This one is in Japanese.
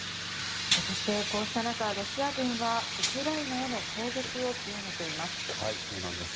こうした中ロシア軍はウクライナへの攻撃を強めています。